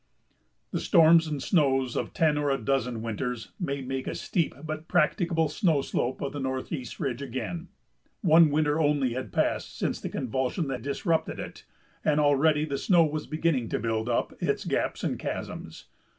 The storms and snows of ten or a dozen winters may make a "steep but practicable snow slope" of the Northeast Ridge again. One winter only had passed since the convulsion that disrupted it, and already the snow was beginning to build up its gaps and chasms.